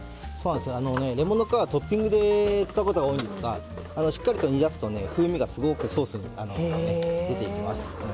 レモンの皮はトッピングで使うことが多いんですけどしっかりと煮出すと風味がすごくソースに出てきます。